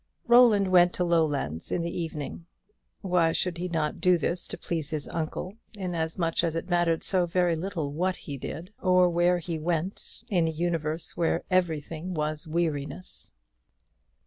Roland went to Lowlands in the evening. Why should he not do this to please his uncle; inasmuch as it mattered so very little what he did, or where he went, in a universe where everything was weariness.